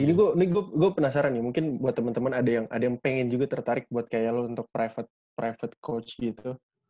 ini gue penasaran nih mungkin buat teman teman ada yang pengen juga tertarik buat kayak lo untuk private private coach gitu